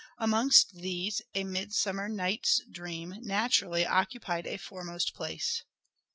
Amongst these, "A Midsummer Night's Dream" naturally .. A occupied a foremost place.